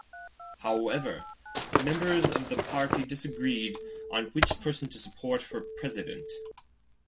However, members of the party disagreed on which person to support for president.